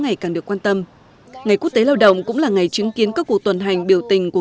ngày càng được quan tâm ngày quốc tế lao động cũng là ngày chứng kiến các cuộc tuần hành biểu tình của